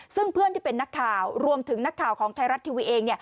ซึ่งเพื่อนที่เป็นนักข่าวรวมถึงนักข่าวของไทยรัฐทีวีเอง